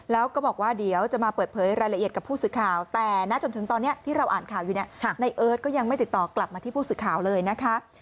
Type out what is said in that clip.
แล้วก็บอกว่าเดี๋ยวจะมาเปิดเผยรายละเอียดกับผู้สื่อข่าวแต่นะจนถึงตอนนี้ที่เราอ่านข่าวอยู่เนี่ยในเอิร์ทก็ยังไม่ติดต่อกลับมาที่ผู้สื่อข่าวเลยนะคะ